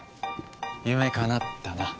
・夢かなったな。